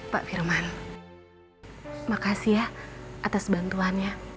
pak firman makasih ya atas bantuannya